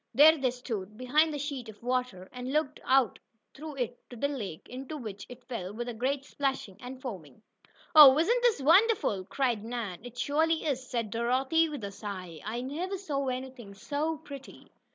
There they stood, behind the sheet of water, and looked out through it to the lake, into which it fell with a great splashing and foaming. "Oh, isn't this wonderful!" cried Nan. "It surely is," said Dorothy, with a sigh. "I never saw anything so pretty."